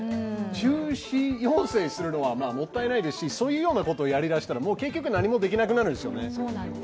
中止要請するのはもったいないですし、そういうようなことをやり出したら、もう結局何もできなくなるんですよね。